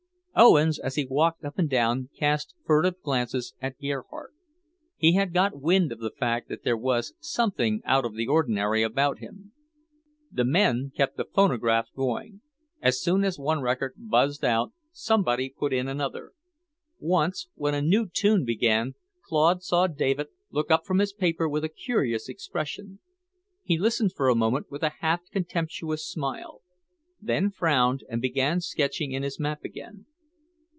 Owens, as he walked up and down, cast furtive glances at Gerhardt. He had got wind of the fact that there was something out of the ordinary about him. The men kept the phonograph going; as soon as one record buzzed out, somebody put in another. Once, when a new tune began, Claude saw David look up from his paper with a curious expression. He listened for a moment with a half contemptuous smile, then frowned and began sketching in his map again.